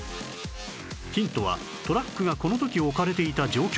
ヒントはトラックがこの時置かれていた状況